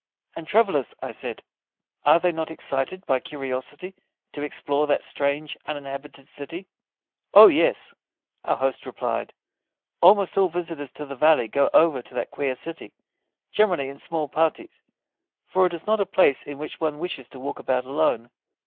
"And travellers," I said, "are they not excited by curiosity to explore that strange uninhabited city?" "Oh yes," our host replied; "almost all visitors to the valley go over to that queer city generally in small parties, for it is not a place in which one wishes to walk about alone.